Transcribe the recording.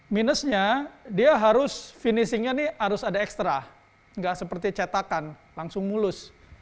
minusnya dia harus finishingnya ini harus ada ekstra nggak seperti cetakan langsung mulus